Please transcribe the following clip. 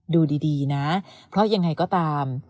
ดูดีนะเพราะยังไงก็ตาม